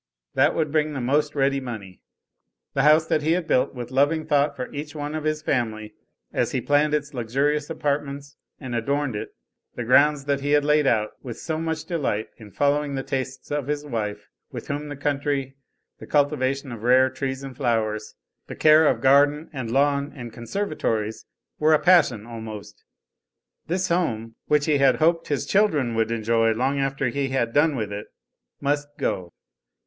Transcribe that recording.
That would bring the most ready money. The house that he had built with loving thought for each one of his family, as he planned its luxurious apartments and adorned it; the grounds that he had laid out, with so much delight in following the tastes of his wife, with whom the country, the cultivation of rare trees and flowers, the care of garden and lawn and conservatories were a passion almost; this home, which he had hoped his children would enjoy long after he had done with it, must go.